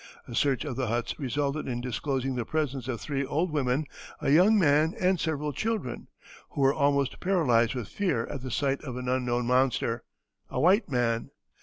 A search of the huts resulted in disclosing the presence of three old women, a young man, and several children, who were almost paralyzed with fear at the sight of an unknown monster a white man.